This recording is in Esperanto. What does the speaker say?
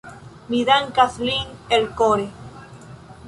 Mi dankas lin elkore.